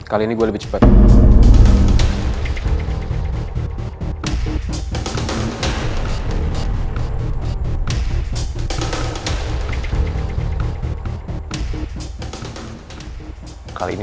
oh ini kalau selecting